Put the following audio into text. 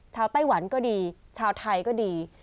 ไต้หวันก็ดีชาวไทยก็ดี